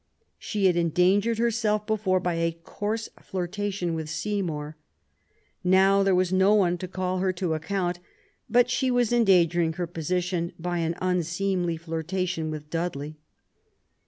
She had endangered herself before by a coarse flirta tion with Seymour: now there was no one to call her to account, but she was endangering her position by an unseemly flirtation with Dudley.